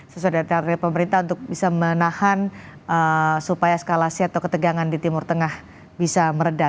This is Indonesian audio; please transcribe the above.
sesuai dengan target pemerintah untuk bisa menahan supaya eskalasi atau ketegangan di timur tengah bisa meredah